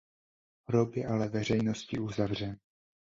Hrob je ale veřejnosti uzavřen.